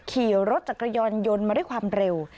ขี่รถจักรยานยนต์มาด้วยความเร็ว